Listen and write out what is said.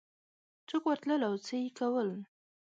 څوک ورتلل او څه یې کول